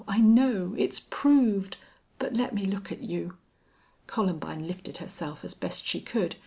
I know. It's proved. But let me look at you." Columbine lifted herself as best she could.